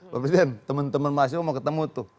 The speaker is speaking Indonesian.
pak presiden teman teman masing masing mau ketemu tuh